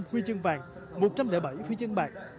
một mươi bảy huy chương bạc